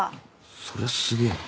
そりゃすげえな。